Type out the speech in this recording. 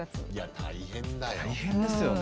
大変だよ。